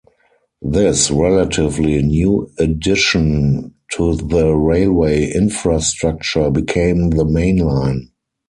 This relatively new addition to the railway infrastructure became the main line.